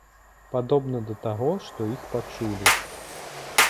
Падобна да таго, што іх пачулі.